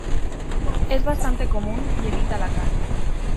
Es bastante común y evita la cal.